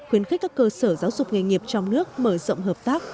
khuyến khích các cơ sở giáo dục nghề nghiệp trong nước mở rộng hợp tác